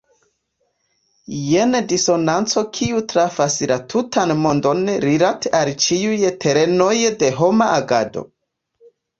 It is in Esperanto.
Jen disonanco kiu trafas la tutan mondon rilate al ĉiuj terenoj de homa agado.